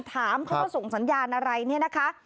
ถามเขาว่าส่งสัญญาณอะไรเนี่ยนะคะ